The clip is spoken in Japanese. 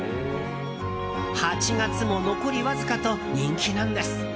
８月も残りわずかと人気なんです。